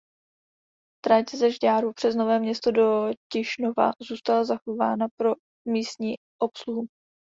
Trať ze Žďáru přes Nové Město do Tišnova zůstala zachovaná pro místní obsluhu.